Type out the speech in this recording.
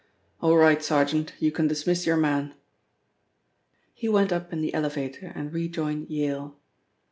All right, sergeant, you can dismiss your men." He went up in the elevator and rejoined Vale.